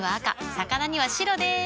魚には白でーす。